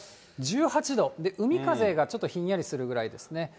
１８度、で、海風がちょっとひんやりするぐらいですね。